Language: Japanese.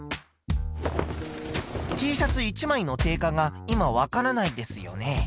Ｔシャツ１枚の定価が今わからないんですよね。